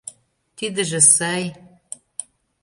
Тидыже сай.